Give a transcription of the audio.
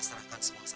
bea deh mati